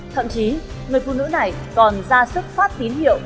thậm chí người phụ nữ này còn ra sức phát tín hiệu